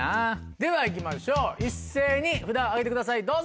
では行きましょう一斉に札を上げてくださいどうぞ。